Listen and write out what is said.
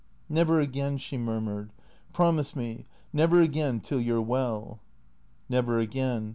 " Never again," she murmured. " Promise me, never again till you 're well." " Never again."